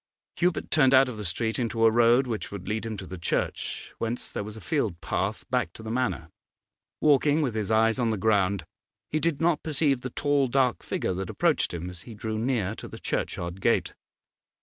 Hubert turned out of the street into a road which would lead him to the church, whence there was a field path back to the Manor. Walking with his eyes on the ground he did not perceive the tall, dark figure that approached him as he drew near to the churchyard gate.